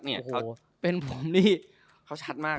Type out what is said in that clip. โหเพราะเป็นผมที่เขาชัดมากอะ